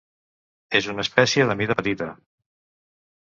És una espècie de mida petita.